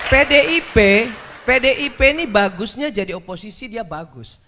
pdip pdip ini bagusnya jadi oposisi dia bagus